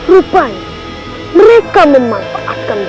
rupanya mereka memanfaatkan berjalan yang terjadi